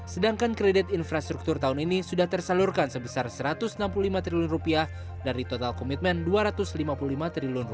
sedangkan kredit infrastruktur tahun ini sudah tersalurkan sebesar rp satu ratus enam puluh lima triliun dari total komitmen rp dua ratus lima puluh lima triliun